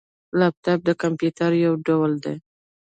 لیپټاپ د کمپيوټر یو ډول دی